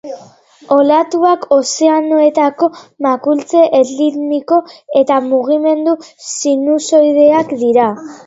Olatuak ozeanoetako makurtze erritmiko eta mugimendu sinusoideak dira.